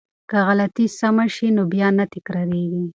که غلطی سمه شي نو بیا نه تکراریږي.